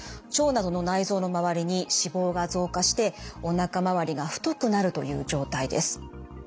腸などの内臓の周りに脂肪が増加しておなか回りが太くなるという状態です。